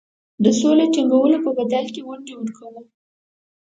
د سولي د ټینګېدلو په بدل کې ونډې ورکوو.